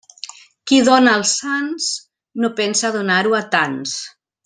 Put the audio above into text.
Qui dóna als sants, no pensa donar-ho a tants.